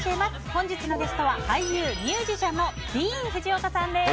本日のゲストは俳優、ミュージシャンのディーン・フジオカさんです。